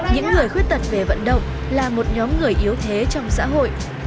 những người khuyết tật về vận động là một nhóm người yếu thế trong xã hội